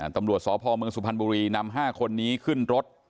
ตำรวจสพเมืองสุพรรณบุรีนำ๕คนนี้ขึ้นรถ